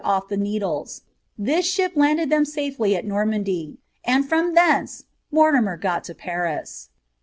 139 iff the Needier: this ship landed them safely in Normandy; and from thence Mortimer got to Paris.